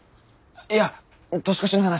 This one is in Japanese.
いや年越しの話。